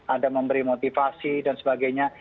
ada memberi motivasi dan sebagainya